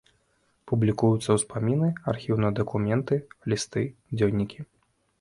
Публікуюцца ўспаміны, архіўныя дакументы, лісты, дзённікі.